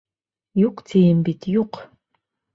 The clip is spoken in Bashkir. Юҡ, тием бит, юҡ!